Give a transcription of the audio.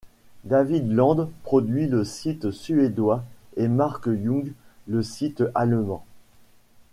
David Landes produit le site suédois et Marc Young le site allemand.